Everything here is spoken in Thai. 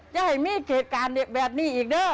อย่าให้มีเหตุการณ์แบบนี้อีกเด้อ